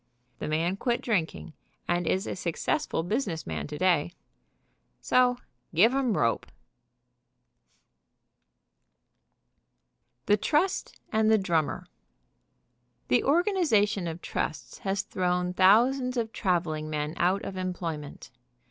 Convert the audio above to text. The man quit drinking, and is a successful business man today. So give 'em rope. THE TRUST AND THE DRUMMER 25 THE TRUST AND THE DRUMMER. The organization of trusts has thrown thousands of traveling men out of employment.